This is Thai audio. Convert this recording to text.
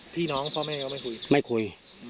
พี่น้องพ่อแม่ก็ไม่คุยไม่คุย